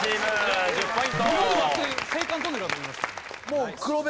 青函トンネルだと思いました。